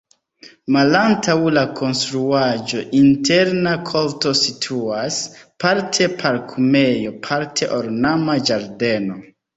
Malantaŭ la konstruaĵo interna korto situas, parte parkumejo, parte ornama ĝardeno.